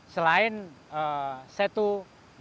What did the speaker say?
selain setu danau